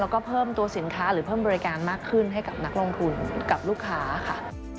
แล้วก็เพิ่มตัวสินค้าหรือเพิ่มบริการมากขึ้นให้กับนักลงทุนกับลูกค้าค่ะ